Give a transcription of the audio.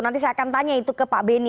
nanti saya akan tanya itu ke pak beni